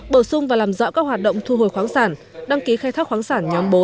bổ sung và làm rõ các hoạt động thu hồi khoáng sản đăng ký khai thác khoáng sản nhóm bốn